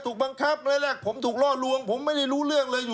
ถูกบังคับแรกผมถูกล่อลวงผมไม่ได้รู้เรื่องเลยอยู่